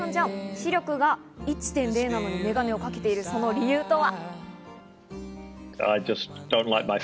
視力は１．０なのにメガネをかけているその理由とは？